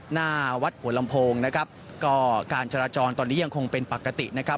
หน้าวัดหัวลำโพงนะครับก็การจราจรตอนนี้ยังคงเป็นปกตินะครับ